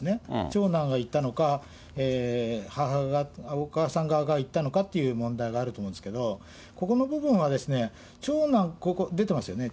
長男が言ったのか、お母さん側が言ったのかという問題があると思うんですけど、ここの部分は長男、ここ出てますよね。